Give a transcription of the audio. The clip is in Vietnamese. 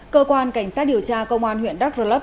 cơ quan cảnh sát điều tra công an huyện đắk rơ lấp